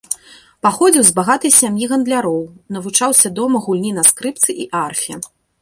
Паходзіў з багатай сям'і гандляроў, навучаўся дома гульні на скрыпцы і арфе.